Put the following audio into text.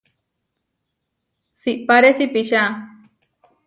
Siʼpáre sipiča.